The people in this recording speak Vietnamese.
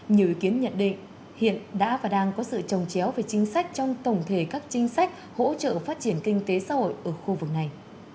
nhiều ý kiến nhận định hiện đã và đang có sự trồng chéo về chính sách trong tổng thể các chính sách hỗ trợ phát triển kinh tế xã hội ở khu vực này